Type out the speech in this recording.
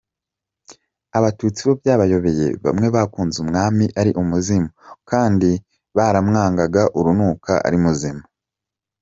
Abatutsi bo byabayobeye: Bamwe bakunze umwami ari Umuzimu kandi baramwangaga urunuka ari muzima!!